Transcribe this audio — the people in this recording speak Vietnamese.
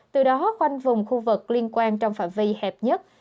từ đó khoanh vùng khu vực liên quan trong phạm vi hẹp nhất